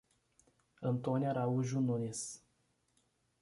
Antônia Araújo Nunes